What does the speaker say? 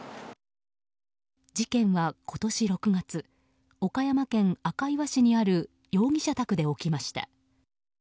事件は今年６月岡山県赤磐市にある容疑者宅で起きました。